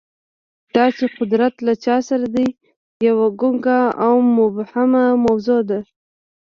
دا چې قدرت له چا سره دی، یوه ګونګه او مبهمه موضوع ده.